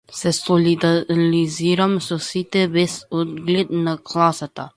Се солидализирам со сите без оглед на класата.